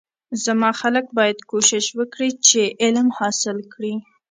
زما خلک باید کوشش وکړی چی علم حاصل کړی